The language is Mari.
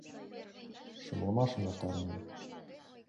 Шымлымашым эртарынем.